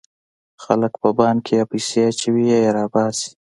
خلک په بانک کې یا پیسې اچوي یا یې را باسي.